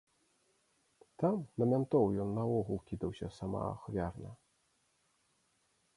Там на мянтоў ён наогул кідаўся самаахвярна.